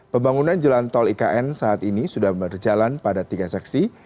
pembangunan jalan tol ikn saat ini sudah berjalan pada tiga seksi